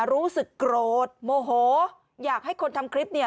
รู้สึกโกรธโมโหอยากให้คนทำคลิปเนี่ย